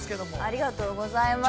◆ありがとうございます。